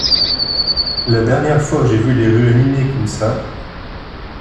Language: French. La dernière fois que j’ai vu les rues animées comme ça